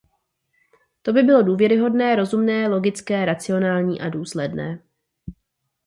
To by bylo důvěryhodné, rozumné, logické, racionální a důsledné.